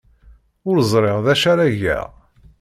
Ur ẓriɣ d acu ara geɣ.